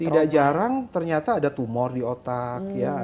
tidak jarang ternyata ada tumor di otak ya